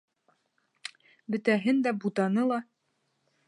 Бөтәһен дә бутаны ла...